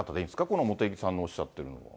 この茂木さんのおっしゃっているのは。